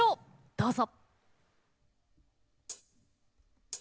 どうぞ。